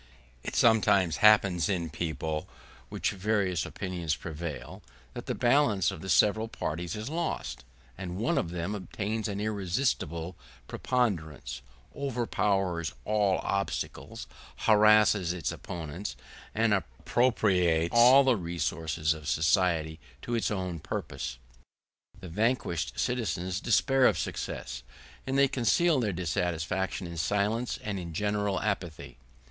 It sometimes happens in a people amongst which various opinions prevail that the balance of the several parties is lost, and one of them obtains an irresistible preponderance, overpowers all obstacles, harasses its opponents, and appropriates all the resources of society to its own purposes. The vanquished citizens despair of success and they conceal their dissatisfaction in silence and in general apathy.